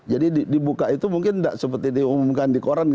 jadi dibuka itu mungkin nggak seperti diumumkan di koran